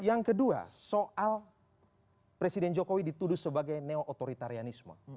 yang kedua soal presiden jokowi dituduh sebagai neo otoritarianisme